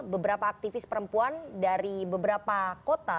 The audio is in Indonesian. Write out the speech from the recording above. beberapa aktivis perempuan dari beberapa kota